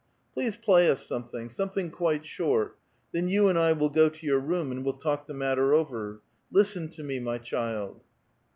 Please play us something — some thing quite short ; then you and I will go to your room, and we'll talk the matter over. Listen to me, m^' child."